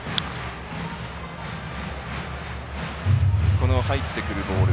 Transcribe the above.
この入ってくるボール